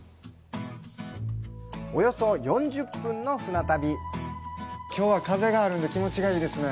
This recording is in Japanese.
およそ４０分の舟旅きょうは、風があるんで気持ちがいいですね。